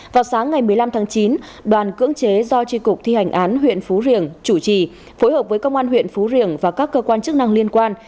vào sáng ngày một mươi năm tháng chín đoàn cưỡng chế do tri cục thi hành án huyện phú riềng chủ trì phối hợp với công an huyện phú riềng và các cơ quan chức năng liên quan